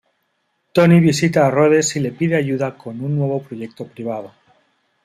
Tony visita a Rhodes y le pide ayuda con un nuevo proyecto privado.